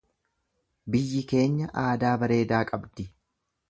Biyyi keenya aadaa bareedaa qabdi.